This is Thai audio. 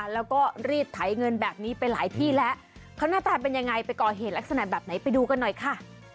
แล้วก็รีดไถเงินแบบนี้ไปหลายที่แล้วเขาหน้าตาเป็นยังไงไปก่อเหตุลักษณะแบบไหนไปดูกันหน่อยค่ะ